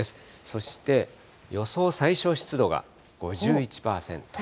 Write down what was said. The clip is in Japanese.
そして予想最小湿度が５１％。